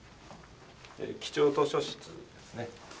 貴重図書室ですね。